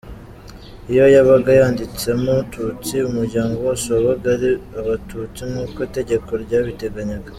Iyo yabaga yanditsemo Tutsi, umuryango wose wabaga ari Abatutsi nk’uko itegeko ryabitegenyaga.